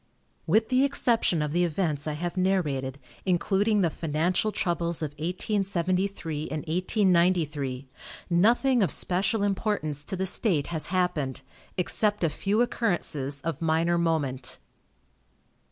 With the exception of the events I have narrated, including the financial troubles of 1873 and 1893, nothing of special importance to the state has happened, except a few occurrences of minor moment.